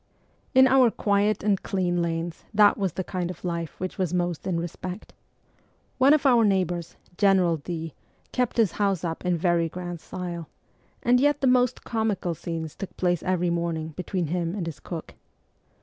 In our quiet and clean lanes that was the kind of life which was most in respect. One of our neighbours, General D , kept his house up in very grand style ; and yet the most comical scenes took place every morning between him and his cook.